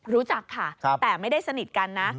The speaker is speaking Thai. รู้จักค่ะแต่ไม่ได้สนิทกันนะ